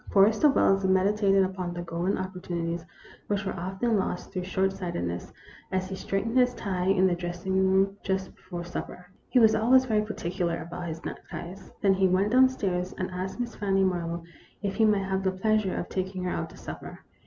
Forrester Wells meditated upon the golden opportunities which were often lost through short sightedness, as he straightened his tie in the dress ing room, just before supper. He was always very particular about his neckties. Then he went down stairs, and asked Miss Fanny Marlowe if he might have the pleasure of taking her out to supper.